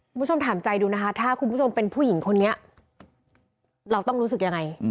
คุณผู้ชมถามใจดูนะคะถ้าคุณผู้ชมเป็นผู้หญิงคนนี้เราต้องรู้สึกยังไง